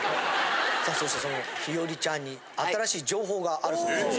さあそしてその日和ちゃんに新しい情報があるそうです。